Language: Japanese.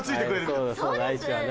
そうだそうだ愛知はな。